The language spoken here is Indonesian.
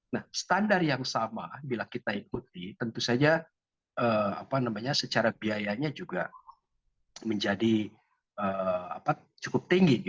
nah standar yang sama bila kita ikuti tentu saja secara biayanya juga menjadi cukup tinggi